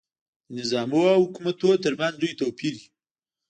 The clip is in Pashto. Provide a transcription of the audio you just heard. د نظامونو او حکومتونو ترمنځ لوی توپیر وي.